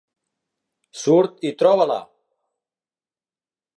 Surt i troba-la!